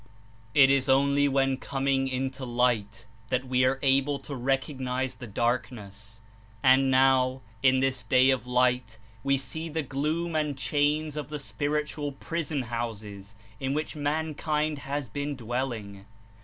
It Is only when coming into light that we are able to recognize the darkness, and now, In this Day of Light, we see the gloom and chains of the spiritual prison houses in which mankind has been dwelling.